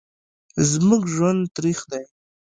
زموږ ژوند تریخ دی